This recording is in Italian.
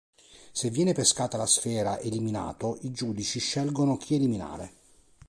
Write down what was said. Se viene pescata la sfera "eliminato", i giudici scelgono chi eliminare.